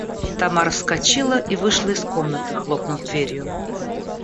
Тамара вскочила и вышла из комнаты, хлопнув дверью.